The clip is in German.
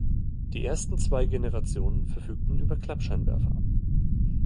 Die ersten zwei Generationen verfügten über Klappscheinwerfer.